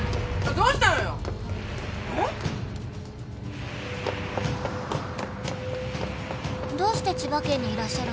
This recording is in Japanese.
「どうして千葉県にいらっしゃるんですか」